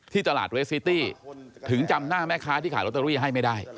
ตลาดเวสซิตี้ถึงจำหน้าแม่ค้าที่ขายลอตเตอรี่ให้ไม่ได้